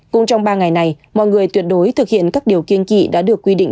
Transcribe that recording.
cùng trong ba ngày này mọi người tuyệt đối thực hiện các điều kiên kỳ đã được quy định